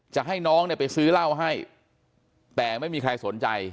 จะให้น้องเนี่ยไปซื้อเหล้าให้แต่ไม่มีใครสนใจ